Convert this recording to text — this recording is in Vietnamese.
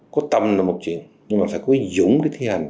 có tâm là một chuyện nhưng mà phải có cái dũng để thi hành